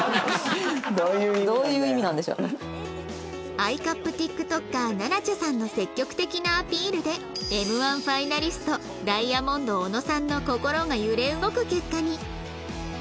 Ｉ カップ ＴｉｋＴｏｋｅｒ なな茶さんの積極的なアピールで Ｍ−１ ファイナリストダイヤモンド小野さんの心が揺れ動く結果に